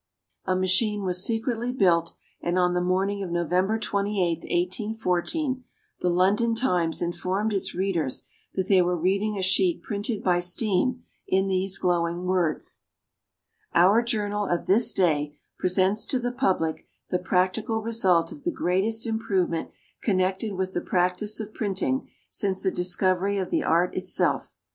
A machine was secretly built; and on the morning of November 28, 1814, the "London Times" informed its readers that they were reading a sheet printed by steam, in these glowing words: "Our journal of this day presents to the public the practical result of the greatest improvement connected with the practice of printing since the discovery of the art itself.